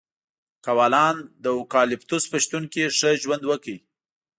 کوالان د اوکالیپتوس په شتون کې ښه ژوند وکړ.